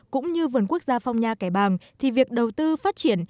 cũng như vườn quốc gia phong nha kẻ bàng thì việc đầu tư phát triển